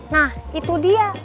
nah itu dia